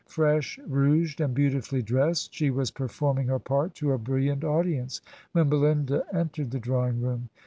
"Fresh rouged, and beautifully dressed, she was performing her part to a brilliant audience, when BeUnda entered the drawing room.